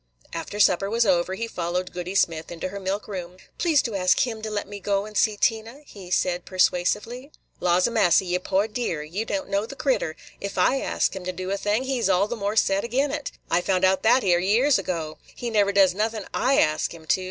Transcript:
After supper was over he followed Goody Smith into her milk room. "Please do ask him to let me go and see Tina," he said, persuasively. "Laws a massy, ye poor dear! ye don't know the critter. If I ask him to do a thing, he 's all the more set agin it. I found out that 'ere years ago. He never does nothin' I ask him to.